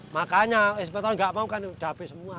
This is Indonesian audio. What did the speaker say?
makanya sempat orang tidak mau kan sudah habis semua